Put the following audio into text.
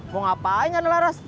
mau ngapain neng laras